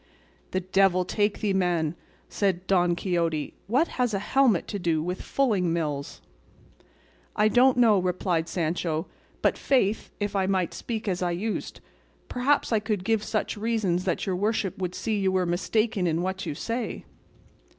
"The devil take thee, man," said Don Quixote; "what has a helmet to do with fulling mills?" "I don't know," replied Sancho, "but, faith, if I might speak as I used, perhaps I could give such reasons that your worship would see you were mistaken in what you say."